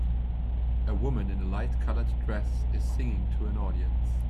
A woman in a light colored dress is singing to an audience.